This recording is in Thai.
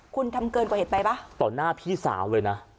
คุณทำเกินกว่าเหตุไปป่ะต่อหน้าพี่สาวเลยนะ